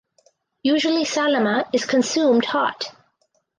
Usually salama is consumed hot.